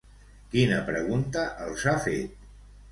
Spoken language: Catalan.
Quina pregunta els ha fet?